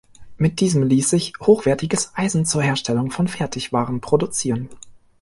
Mit diesem ließ sich hochwertiges Eisen zur Herstellung von Fertigwaren produzieren.